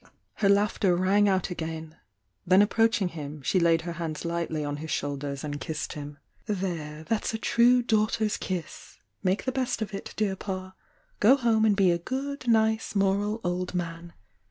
Her laughter rang out again,— then ap proachmg him, sue laid her hands lightly on his shoulders and kissed him. "There, that's a true daughter s kiss!— make the best of it, dear Pa' Go home and be a good, nice, moral old man!